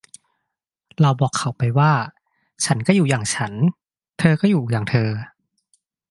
เราบอกเขาไปว่า ฉันก็อยู่อย่างฉัน เธอก็อยู่อย่างเธอ